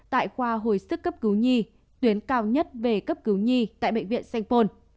tại khoa hồi sức cấp cứu nhi tuyến cao nhất về cấp cứu nhi tại bệnh viện senpon